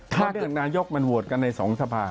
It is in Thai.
ถ้าเรื่องนายกมันโหวดกันใน๒สภา